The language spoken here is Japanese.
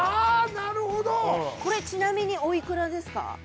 なるほどこれちなみにおいくらですか？